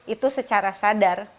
itu secara sadar